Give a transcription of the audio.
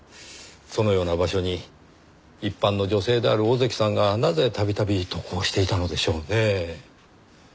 そのような場所に一般の女性である小関さんがなぜたびたび渡航していたのでしょうねぇ？